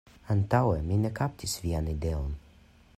Antaŭe mi ne kaptis vian ideon.